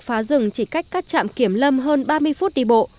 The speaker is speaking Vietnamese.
phá rừng chỉ cách các trạm kiểm lâm hơn ba mươi phút đi bộ